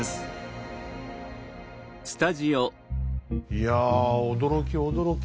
いや驚き驚き。